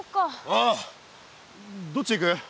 ああどっち行く？